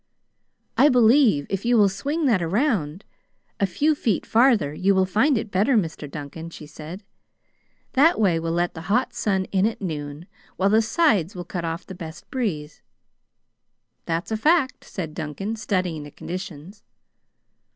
"I believe if you will swing that around a few feet farther, you will find it better, Mr. Duncan," she said. "That way will let the hot sun in at noon, while the sides will cut off the best breeze." "That's a fact," said Duncan, studying the conditions.